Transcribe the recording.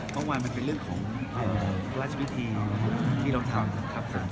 ขออนุญาตย้อนพี่ลุกกับพริกเองด้วยครับ